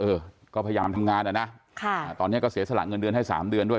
เออก็พยายามทำงานอ่ะนะค่ะตอนนี้ก็เสียสละเงินเดือนให้สามเดือนด้วย